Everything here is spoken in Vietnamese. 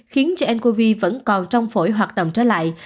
khiến cho ncov vẫn còn trong phổi hoạt động trở lại